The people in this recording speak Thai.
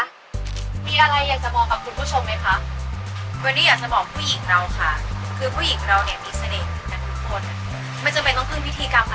มีอะไรอยากจะบอกกับคุณผู้ชมไหมคะ